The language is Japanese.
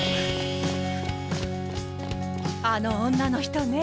あの女の人ね